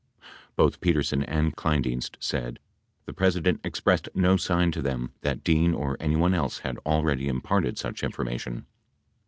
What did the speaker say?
88 Both Petersen and Kleindienst said the President expressed no sign to them that Dean or anyone else had already imparted such information.